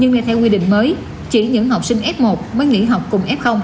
nhưng nghe theo quy định mới chỉ những học sinh f một mới nghỉ học cùng f